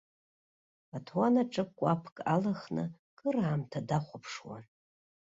Аҭуан аҿы кәаԥк алхны кыраамҭа дахәаԥшуан.